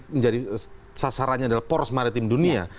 menjadi sasarannya adalah poros maritim dunia